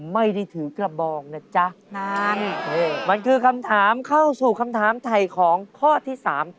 ไม่ได้ถือกระบองนะจ๊ะนั่นนี่มันคือคำถามเข้าสู่คำถามถ่ายของข้อที่สาม